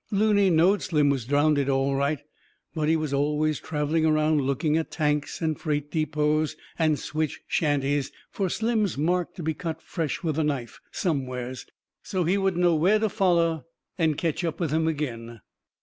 Looney knowed Slim was drownded all right, but he was always travelling around looking at tanks and freight depots and switch shanties, fur Slim's mark to be fresh cut with a knife somewheres, so he would know where to foller and ketch up with him agin.